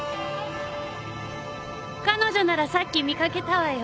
彼女ならさっき見掛けたわよ。